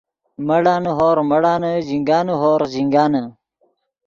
مڑانے ہورغ مڑانے ژینگانے ہورغ ژینگانے